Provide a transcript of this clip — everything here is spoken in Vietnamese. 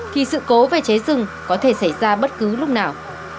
thì sự cố về cháy rừng có thể xảy ra bất cứ lúc nào